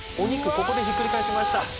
ここでひっくり返しました